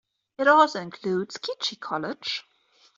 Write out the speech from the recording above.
It also includes Keachie College.